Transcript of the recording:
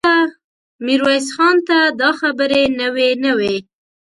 ميرويس خان ته دا خبرې نوې نه وې.